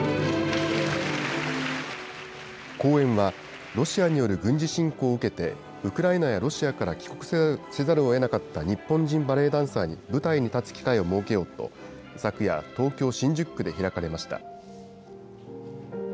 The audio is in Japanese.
公演は、ロシアによる軍事侵攻を受けて、ウクライナやロシアから帰国せざるをえなかった日本人バレエダンサーに舞台に立つ機会を設けようと、昨夜、東京・新宿区で開かれました。